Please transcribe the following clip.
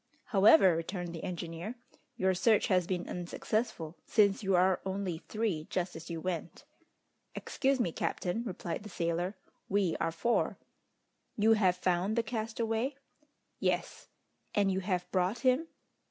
"However," returned the engineer, "your search has been unsuccessful, since you are only three just as you went!" "Excuse me, captain," replied the sailor, "we are four." "You have found the castaway?" "Yes." "And you have brought him?"